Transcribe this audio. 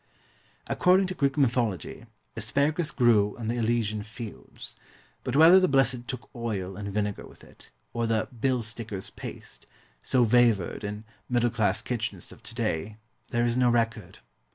According to Greek mythology, asparagus grew in the Elysian fields; but whether the blessed took oil and vinegar with it, or the "bill sticker's paste," so favoured in middle class kitchens of to day, there is no record.